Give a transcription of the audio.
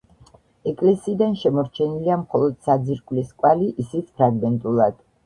ეკლესიიდან შემორჩენილია მხოლოდ საძირკვლის კვალი, ისიც ფრაგმენტულად.